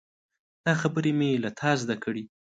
دا خبرې مې له تا زده کړي.